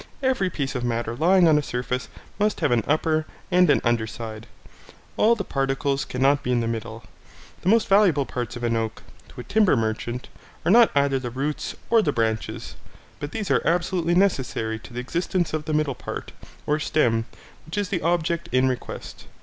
Every piece of matter lying on a surface must have an upper and an under side, all the particles cannot be in the middle. The most valuable parts of an oak, to a timber merchant, are not either the roots or the branches, but these are absolutely necessary to the existence of the middle part, or stem, which is the object in request.